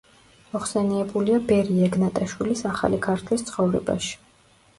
მოხსენიებულია ბერი ეგნატაშვილის „ახალი ქართლის ცხოვრებაში“.